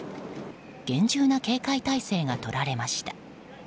厳重な警戒態勢が取られました。